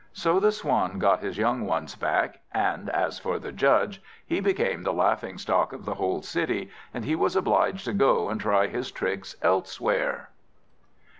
So the Swan got his young ones back, and as for the Judge, he became the laughing stock of the whole city, and he was obliged to go and try his tricks elsewhere.